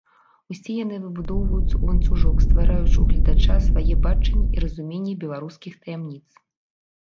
Усе яны выбудоўваюцца ў ланцужок, ствараючы ў гледача сваё бачанне і разуменне беларускіх таямніц.